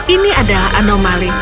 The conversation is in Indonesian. ini adalah anomali